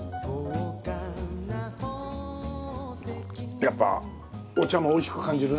やっぱお茶もおいしく感じるね。